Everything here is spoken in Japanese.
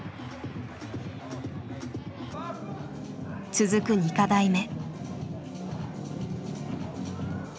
続く２課題目。